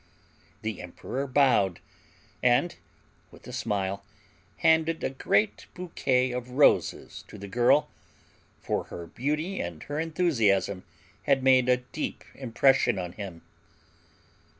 The emperor bowed and, with a smile, handed a great bouquet of roses to the girl, for her beauty and her enthusiasm had made a deep impression on him.